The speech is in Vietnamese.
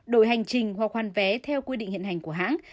đổi hành trình hoặc hoàn vé theo quy định hiện hành của hãng